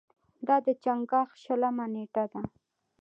دا د چنګاښ شلمه نېټه ده.